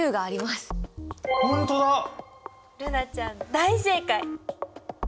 大正解！